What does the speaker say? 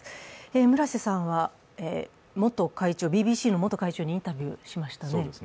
村瀬さんはＢＢＣの元会長にインタビューしましたね。